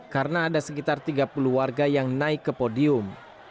karena ada sekitar tiga puluh warga yang naik ke podium